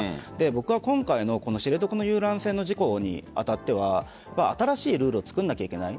僕は今回の知床遊覧船の事故に当たっては新しいルールを作らなければいけない。